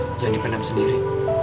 jangan dipenam sendiri